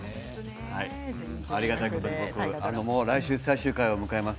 ありがたいことにもう来週、最終回を迎えます。